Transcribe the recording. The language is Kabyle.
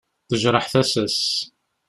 Tejreḥ tasa-s.